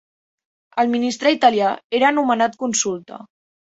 El ministre italià era anomenat Consulta.